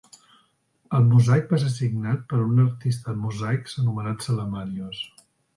El mosaic va ser signat per un artista de mosaics anomenat Salamanios.